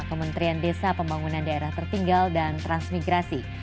kementerian desa pembangunan daerah tertinggal dan transmigrasi